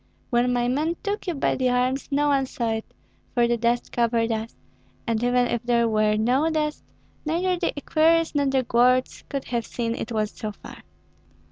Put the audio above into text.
When my men took you by the arms no one saw it, for the dust covered us; and even if there were no dust, neither the equerries nor the guards could have seen, it was so far.